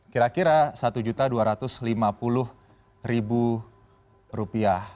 kira kira satu dua ratus lima puluh rupiah